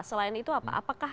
selain itu apa